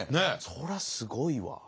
そりゃすごいわ。